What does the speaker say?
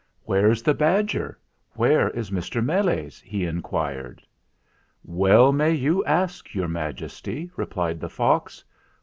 "Where's the badger? Where is Mr. Meles ?" he inquired. "Well may you ask, Your Majesty," replied the fox.